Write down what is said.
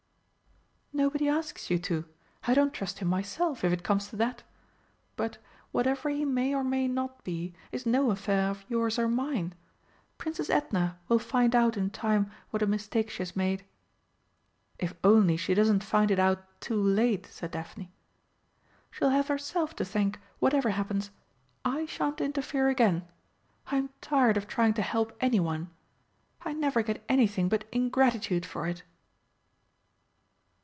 "Nobody asks you to. I don't trust him myself, if it comes to that. But, whatever he may or may not be is no affair of yours or mine. Princess Edna will find out in time what a mistake she has made." "If only she doesn't find it out too late!" said Daphne. "She'll have herself to thank, whatever happens. I shan't interfere again. I'm tired of trying to help anyone. I never get anything but ingratitude for it."